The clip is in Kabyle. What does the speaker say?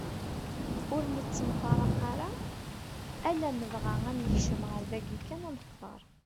Ur nettemfraq ara alamm dɣa ad nekcem ɣer dagi kan ad nefteṛ.